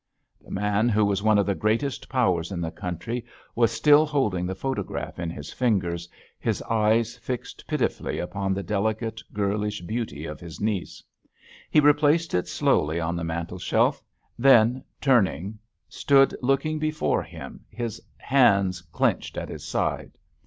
The man who was one of the greatest powers in the country was still holding the photograph in his fingers, his eyes fixed pitifully upon the delicate girlish beauty of his niece. He replaced it slowly on the mantelshelf, then, turning, stood looking before him, his hands clenched at his side.